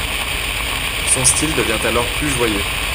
Son style devient alors plus joyeux.